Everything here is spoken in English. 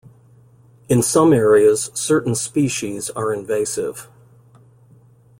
In some areas, certain species are invasive.